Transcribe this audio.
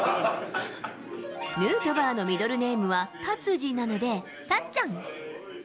ヌートバーのミドルネームはタツジなので、たっちゃん。